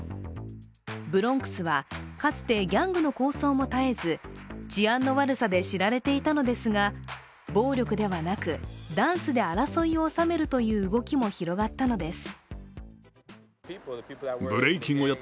ブロンクスはかつてギャングの抗争も絶えず治安の悪さでも知られていたのですが暴力ではなくダンスで争いを収めるという動きも広がったのです。